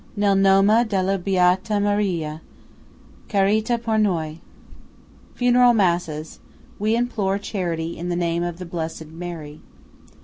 Nel nome della Beata Maria, carità per noi." (Funeral Masses. We implore charity in the name of the Blessed Mary.)